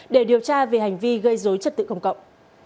để điều tra về hành vi gây dối trật tự công cộng